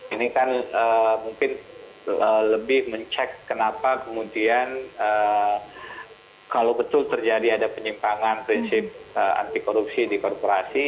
ini kan mungkin lebih mencek kenapa kemudian kalau betul terjadi ada penyimpangan prinsip anti korupsi di korporasi